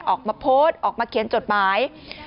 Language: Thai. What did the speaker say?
ออกมาโพสออกมาเขียนจรปราย